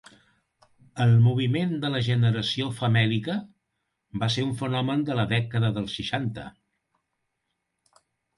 El moviment de la Generació Famèlica va ser un fenomen de la dècada dels seixanta.